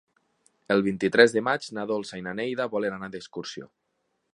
El vint-i-tres de maig na Dolça i na Neida volen anar d'excursió.